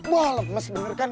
wah lemes bener kan